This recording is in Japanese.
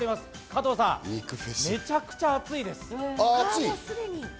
加藤さん、めちゃくちゃ暑いです。